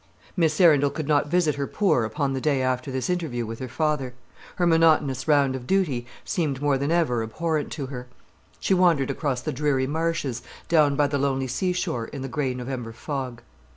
Miss Arundel could not visit her poor upon the day after this interview with her father. Her monotonous round of duty seemed more than ever abhorrent to her. She wandered across the dreary marshes, down by the lonely seashore, in the grey November fog.